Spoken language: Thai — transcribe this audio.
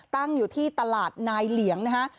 ตั้งอยู่ที่ตลาดนายเหลียงนะฮะ